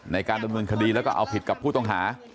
ในการดำเนินคดีแล้วก็เอาผิดกับผู้ต้องหา